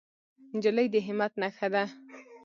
نجلۍ د همت نښه ده.